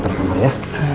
konten kamar ya